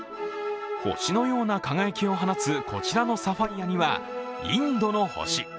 星のような輝きを放つこちらのサファイアにはインドの星。